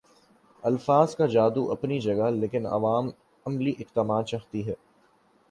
الفاظ کا جادو اپنی جگہ لیکن عوام عملی اقدامات چاہتی ہے